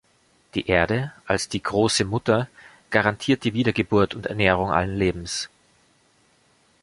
Die Erde als die Große Mutter garantiert die Wiedergeburt und Ernährung allen Lebens.